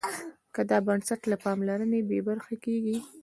که دا بنسټ له پاملرنې بې برخې کېږي.